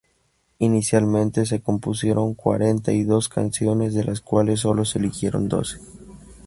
Inicialmente se compusieron cuarenta y dos canciones de las cuales solo se eligieron doce.